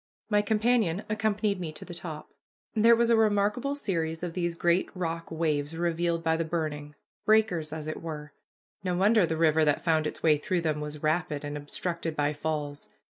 My companion accompanied me to the top. There was a remarkable series of these great rock waves revealed by the burning; breakers, as it were. No wonder that the river that found its way through them was rapid and obstructed by falls.